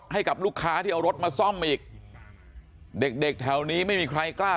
ให้กับลูกค้าที่เอารถมาซ่อมอีกเด็กเด็กแถวนี้ไม่มีใครกล้า